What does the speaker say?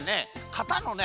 かたのね